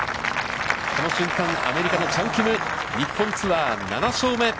この瞬間、アメリカのチャン・キム、日本ツアー、７勝目。